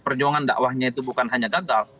perjuangan dakwahnya itu bukan hanya gagal